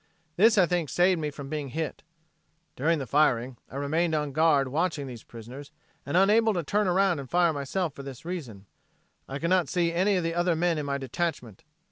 This I think saved me from being hit. During the firing, I remained on guard watching these prisoners and unable to turn around and fire myself for this reason. I could not see any of the other men in my detachment.